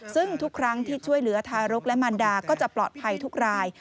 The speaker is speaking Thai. ซึ่งทุกครั้งที่ช่วยเหลือทารกและมันดาก็จะปลอดภัยทุกราย